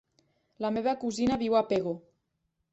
La meva cosina viu a Pego.